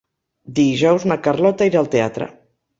Dijous na Carlota irà al teatre.